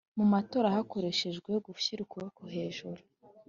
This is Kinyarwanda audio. Mu matora hakoreshejwe gushyira ukuboko hejuru